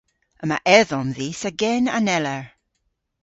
Yma edhom dhis a gen aneller.